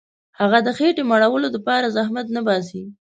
هغه د خېټي مړولو دپاره زحمت نه باسي.